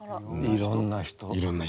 いろんな人。